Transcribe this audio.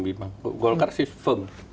bimbang golkar sih firm hmm